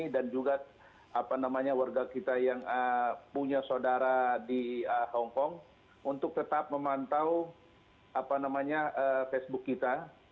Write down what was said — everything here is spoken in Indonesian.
dan juga warga kita yang punya saudara di hongkong untuk tetap memantau facebook kita